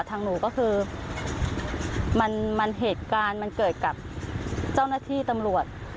หนูก็คือมันเหตุการณ์มันเกิดกับเจ้าหน้าที่ตำรวจ